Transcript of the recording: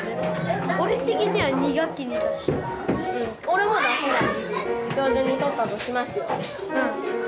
俺も出したい。